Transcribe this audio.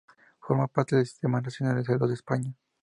Forma parte del Sistema Nacional de Salud de España.